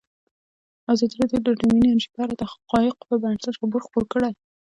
ازادي راډیو د اټومي انرژي په اړه د حقایقو پر بنسټ راپور خپور کړی.